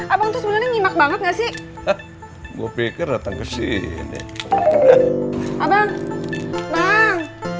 abang tuh sebenarnya ngimak banget gak sih gue pikir datang ke sini abang bang